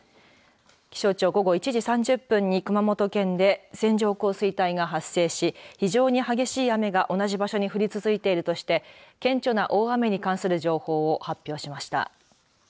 気象庁、午後１時３０分に熊本県で線状降水帯が発生し非常に激しい雨が同じ場所に降り続いているとして顕著な大雨に関する情報を発表しました。